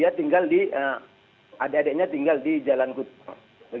dia tinggal di adik adiknya tinggal di jalan kutub